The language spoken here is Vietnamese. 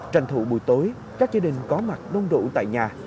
trành thủ buổi tối các gia đình có mặt đông đủ tại nhà